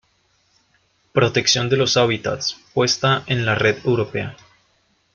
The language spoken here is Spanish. Protección de los hábitats, puesta en la red europea.